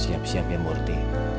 siap siap ya murthy